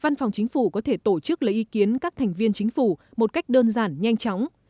văn phòng chính phủ có thể tổ chức lấy ý kiến các thành viên chính phủ một cách đơn giản nhanh chóng